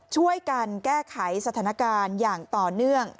ช่วยกันแก้ไขสถานการณ์อย่างต่อเนื่อง